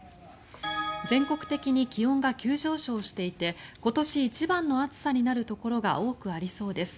全国的に気温が急上昇していて今年一番の暑さになるところが多くありそうです。